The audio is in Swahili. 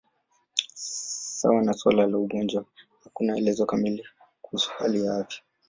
Sawa na suala la ugonjwa, hakuna elezo kamili kuhusu hali ya afya.